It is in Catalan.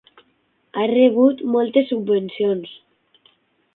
Ha rebut moltes subvencions.